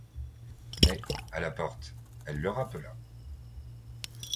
Mais, à la porte, elle la rappela.